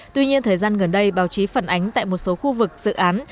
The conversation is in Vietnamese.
tuy nhiên thời gian gần đây báo chí phản ánh tại một số khu vực dự án